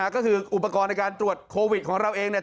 ก็คืออุปกรณ์ในการตรวจโควิดของเราเองเนี่ย